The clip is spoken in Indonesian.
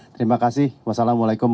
terima kasih wassalamualaikum